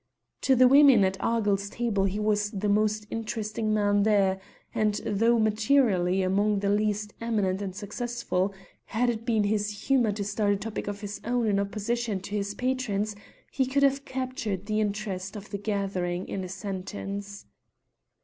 To the women at Argyll's table he was the most interesting man there, and though materially among the least eminent and successful, had it been his humour to start a topic of his own in opposition to his patron's, he could have captured the interest of the gathering in a sentence.